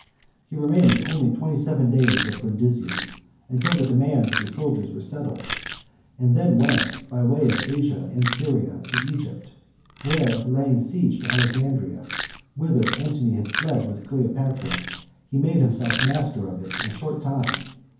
He remained only twenty seven days at Brundisium, until the demands of the soldiers were settled, and then went, by way of Asia and Syria, to Egypt, where laying siege to Alexandria, whither Antony had fled with Cleopatra, he made himself master of it in a short time.